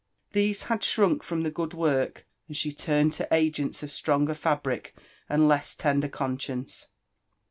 These h^d shrtitfk freiti the good work, and she turned to agents of stfotiger fabric fittd tesW lender conscience.